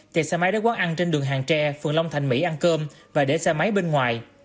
thì xe máy đến quán ăn trên đường hàng tre phường long thành mỹ ăn cơm và để xe máy bên ngoài